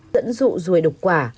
dẫn dụ ruồi đục quả